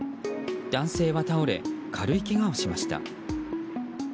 男性は倒れ、軽いけがをしました。